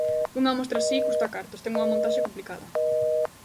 Unha mostra así custa cartos, ten unha montaxe complicada.